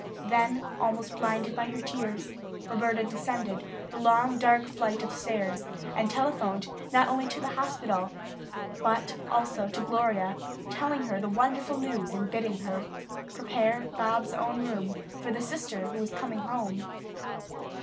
Then, almost blinded by her tears, Roberta descended the long, dark flight of stairs and telephoned not only to the hospital, but also to Gloria, telling her the wonderful news and bidding her prepare Bobs' own room for the sister who was coming home.